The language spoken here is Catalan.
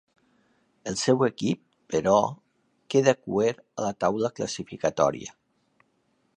El seu equip, però, queda cuer a la taula classificatòria.